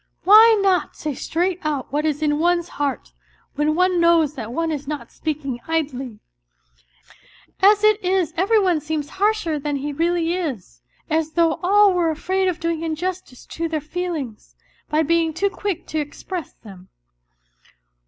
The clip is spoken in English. Why not say straight out what is in one's heart, when one knows that one is not speaking idly ? As it is every one seems harsher than he really is, as though all were afraid of doing injustice to their feelings, by being too quick to express them."